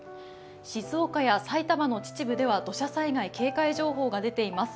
静岡や埼玉の秩父では土砂災害警戒情報が出ています。